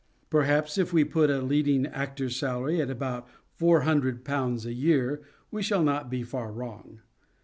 Perhaps if we put a leading actor's salary at about ;C4oo a year we shall not be far wrong.